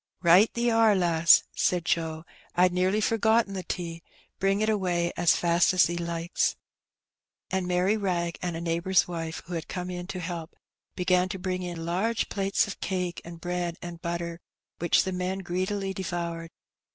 * Eight thee are, lass," said Joe. "I'd nearly forgotten the tea; bring it away as fast as thee likes." I An Experiment. 183 And Mary Wrag and a neighbour's wife who had come in to help began to bring in large plates of cake and bread and butter, which the men greedily devoured.